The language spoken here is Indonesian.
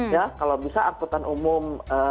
ya kalau bisa angkutan umum